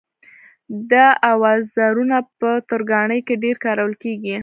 دا اوزارونه په ترکاڼۍ کې ډېر کارول کېږي.